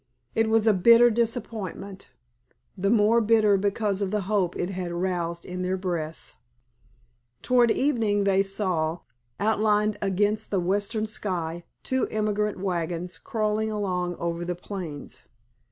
It was a bitter disappointment, the more bitter because of the hope it had aroused in their breasts. Toward evening they saw, outlined against the western sky, two emigrant wagons crawling along over the plains.